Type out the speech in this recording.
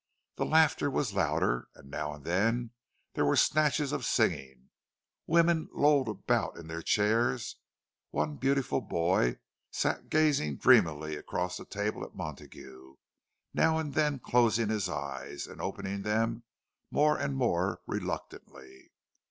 The laughter was louder, and now and then there were snatches of singing; women lolled about in their chairs one beautiful boy sat gazing dreamily across the table at Montague, now and then closing his eyes, and opening them more and more reluctantly.